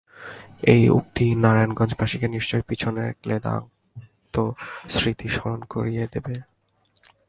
এই উক্তি নারায়ণগঞ্জবাসীকে নিশ্চয়ই পেছনের ক্লেদাক্ত স্মৃতি স্মরণ করিয়ে দেবে।